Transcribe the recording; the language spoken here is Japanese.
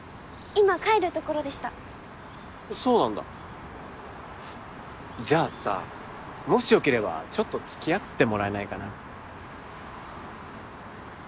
今帰るところでしたそうなんだじゃあさもしよければちょっと付き合ってもらえないかな